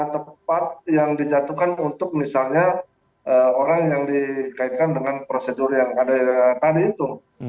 tempat yang dijatuhkan untuk misalnya orang yang dikaitkan dengan prosedur yang ada tadi itu